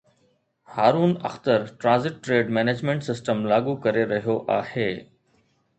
Haroon Akhtar transit trade management system لاڳو ڪري رهيو آهي